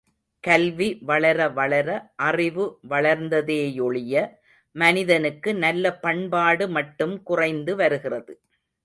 கல்வி வளர வளர அறிவு வளர்ந்ததே யொழிய மனிதனுக்கு நல்ல பண்பாடு மட்டும் குறைந்து வருகின்றது.